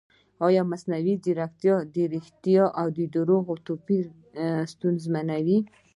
ایا مصنوعي ځیرکتیا د ریښتیا او دروغو توپیر نه ستونزمنوي؟